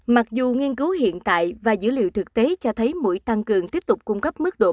mặc dù nghiên cứu hiện tại và dữ liệu thực tế cho thấy mũi tăng cường tiếp tục cung cấp mức độ bốn